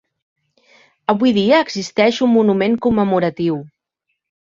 Avui dia existeix un monument commemoratiu.